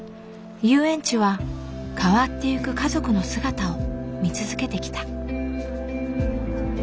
遊園地は変わっていく家族の姿を見続けてきた。